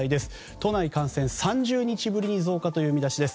都内感染３０日ぶりに増加という見出しです。